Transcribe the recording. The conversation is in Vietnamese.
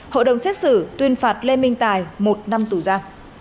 hộ đồng xét xử tuyên phạt lê minh tài một năm tù gia